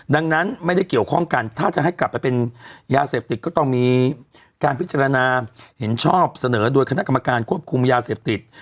ดังนั้นไม่ได้เกี่ยวข้องกันถ้าจะให้กลับไปเป็นยาเสพติดก็ต้องมีการพิจารณาเห็นชอบเสนอโดยคณะกรรมการควบคุมยาเสพติด